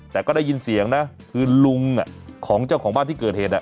แต่ก็ได้ยินเสียงนะคือลุงของเจ้าของบ้านที่เกิดเหตุ